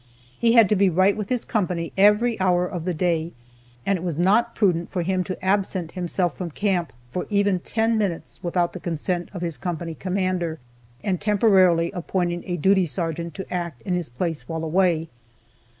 He had to be right with his company every hour in the day, and it was not prudent for him to absent himself from camp for even ten minutes without the consent of his company commander, and temporarily appointing a duty sergeant to act in his place while away.